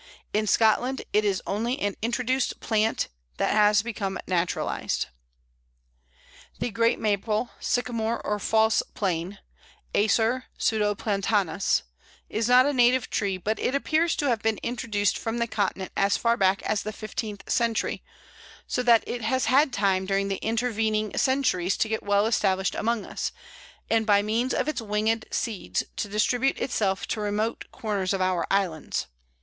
In Scotland it is only an introduced plant that has become naturalized. The Great Maple, Sycamore, or False Plane (Acer pseudo platanus) is not a native tree, but it appears to have been introduced from the Continent as far back as the fifteenth century, so that it has had time during the intervening centuries to get well established among us, and by means of its winged seeds to distribute itself to remote corners of our islands.